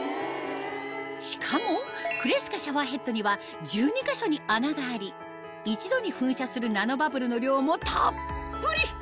しかもクレスカシャワーヘッドには１２か所に穴があり一度に噴射するナノバブルの量もたっぷり！